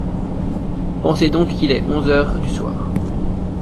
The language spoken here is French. Pensez donc qu’il est onze heures du soir !